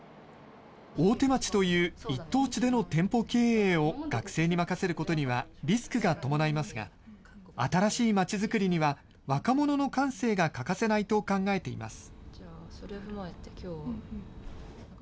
大手町という一等地での店舗経営を学生に任せることにはリスクが伴いますが、新しい街づくりには若者の感性が欠かせないと考えています。